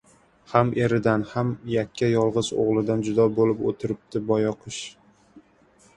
Ham eridan, ham yakka-yolg‘iz o‘g‘lidan judo bolib o‘tiribdi boyoqish.